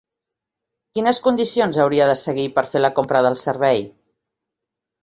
Quines condicions hauria de seguir per fer la compra del servei?